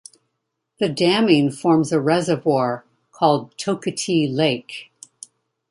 The damming forms a reservoir called Toketee Lake.